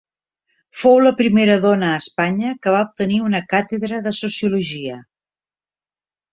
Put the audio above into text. Fou la primera dona a Espanya que va obtenir una càtedra de Sociologia.